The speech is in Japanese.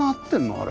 あれ。